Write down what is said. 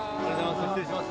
失礼します。